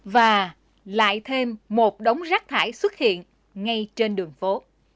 và lại thêm một đống rác thải xuất hiện ngay trên đường phố